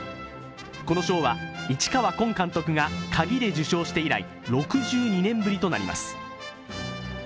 この賞は市川崑監督が「鍵」で受賞して以来、６２年ぶりとなります